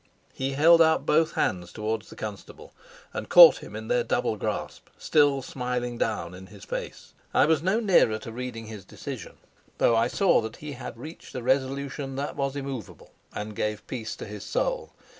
He held out both hands towards the constable and caught him in their double grasp, still smiling down in his face. I was no nearer to reading his decision, though I saw that he had reached a resolution that was immovable and gave peace to his soul.